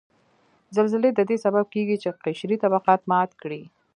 زلزلې ددې سبب کیږي چې قشري طبقات مات کړي